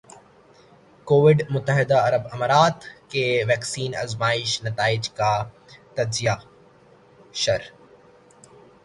Covid متحدہ عرب امارات کے ویکسین آزمائشی نتائج کا تجزیہ شر